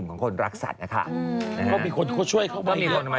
เขาผ่านมาทำอย่างนี้คุณก็ช่วยเข้ามา